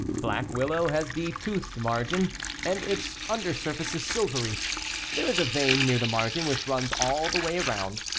Black Willow has the toothed margin and its under surface is silvery. There is a vein near the margin which runs all the way around.